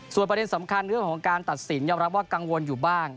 ประเด็นสำคัญเรื่องของการตัดสินยอมรับว่ากังวลอยู่บ้าง